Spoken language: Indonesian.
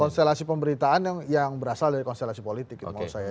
konstelasi pemberitaan yang berasal dari konstelasi politik maksud saya